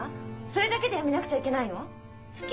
それだけで辞めなくちゃいけないの？